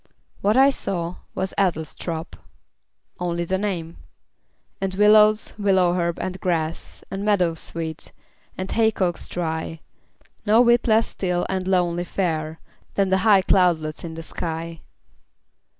What I saw Was Adlestrop only the name And willows, willow herb, and grass, And meadowsweet, and haycocks dry; No whit less still and lonely fair Than the high cloudlets in the sky.